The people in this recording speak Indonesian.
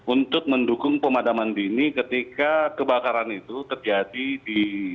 untuk mendukung pemadaman dini ketika kebakaran itu terjadi di wilayah yang terdekat